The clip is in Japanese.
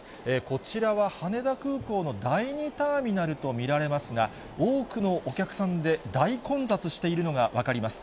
こちらは羽田空港の第２ターミナルと見られますが、多くのお客さんで大混雑しているのが分かります。